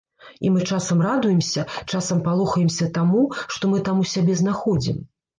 І мы часам радуемся, часам палохаемся таму, што мы там у сябе знаходзім.